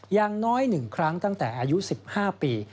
อย่างน้อย๑ครั้งตั้งแต่อายุ๑๕ปี